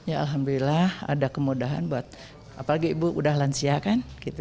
ya alhamdulillah ada kemudahan buat apalagi ibu udah lansia kan